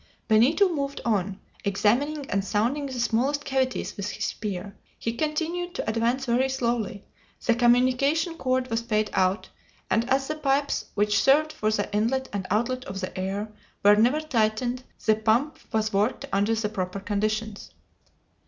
Benito moved on, examining and sounding the smallest cavities with his spear. He continued to advance very slowly; the communication cord was paid out, and as the pipes which served for the inlet and outlet of the air were never tightened, the pump was worked under the proper conditions.